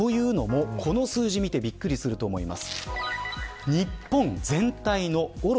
この数字を見てびっくりすると思います。